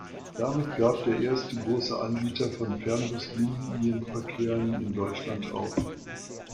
Damit gab der erste große Anbieter von Fernbus-Linienverkehren in Deutschland auf.